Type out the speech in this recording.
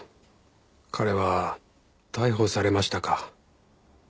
彼は逮捕されましたか。